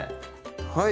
はい！